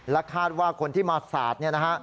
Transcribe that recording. คาดว่าคนที่มาสาดเนี่ยนะฮะ